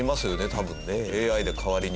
多分ねＡＩで代わりに。